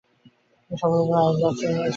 তিনি সফলভাবে আইন ব্যবসা শুরু করেন।